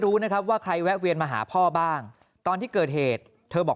รู้นะครับว่าใครแวะเวียนมาหาพ่อบ้างตอนที่เกิดเหตุเธอบอก